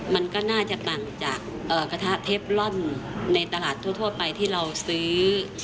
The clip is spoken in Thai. มันก็น่าจะต่างจากกระทะเทปลอนในตลาดทั่วไปที่เราซื้อ